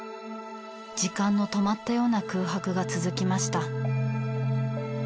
時間の止まったような空白が続きました。